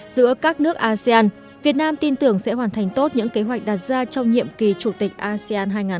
giữa các nước asean việt nam tin tưởng sẽ hoàn thành tốt những kế hoạch đạt ra trong nhiệm kỳ chủ tịch asean hai nghìn hai mươi